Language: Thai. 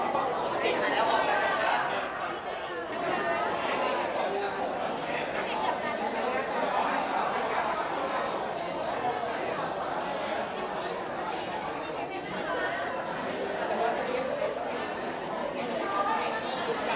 ขอบคุณครับครับ